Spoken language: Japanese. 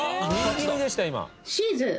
シーズー！